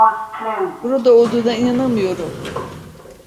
Burada olduğuna inanamıyorum.